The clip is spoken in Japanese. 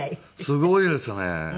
すごいですね。